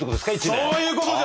そういうことじゃ！